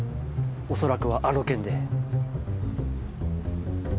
おそらくはあの件で。